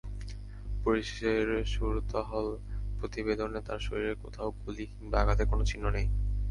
পুলিশের সুরতহাল প্রতিবেদনে তাঁর শরীরের কোথাও গুলি কিংবা আঘাতের কোনো চিহ্ন নেই।